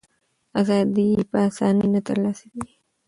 ازادي په آسانۍ نه ترلاسه کېږي.